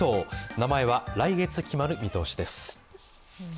名前は来月決まる見通しです。